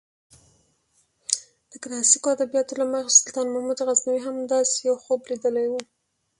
د کلاسیکو ادبیاتو له مخې سلطان محمود غزنوي هم داسې یو خوب لیدلی و.